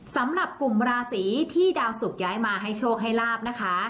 สำหรับกลุ่มราศีที่ดาวสุกย้ายมาให้โชคให้ลาบนะคะ